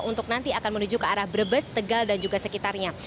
untuk nanti akan menuju ke arah brebes tegal dan juga sekitarnya